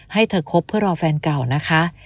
ให้เธอคบเพื่อรอแฟนเก่านะคะ